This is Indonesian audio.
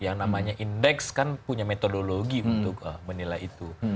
yang namanya indeks kan punya metodologi untuk menilai itu